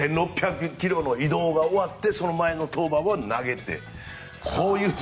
１６００ｋｍの移動が終わってその前の登板は投げて。